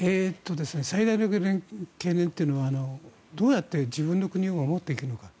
最大の懸念というのはどうやって自分の国を守っていくのか。